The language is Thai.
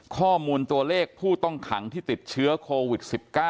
ข้อมูลตัวเลขผู้ต้องขังที่ติดเชื้อโควิด๑๙